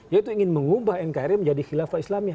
yaitu ingin mengubah nkri menjadi khilafah islamia